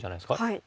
はい。